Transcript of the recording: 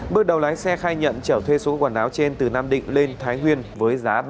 bước đầu lái xe khai nhận chở thuê số quần áo trên từ nam định lên thái nguyên với giá ba triệu đồng